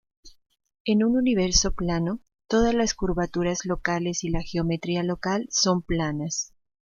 En un universo plano, todas las curvaturas locales y la geometría local son planas.